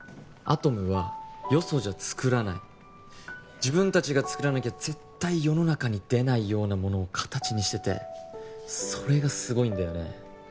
アトムはよそじゃ作らない自分達が作らなきゃ絶対世の中に出ないようなものを形にしててそれがすごいんだよね